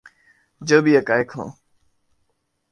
جو بھی حقائق ہوں۔